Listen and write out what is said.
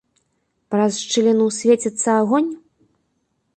Праз шчыліну свеціцца агонь?